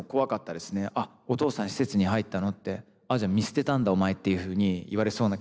「あっお父さん施設に入ったの」って「あっじゃあ見捨てたんだお前」っていうふうに言われそうな気がして。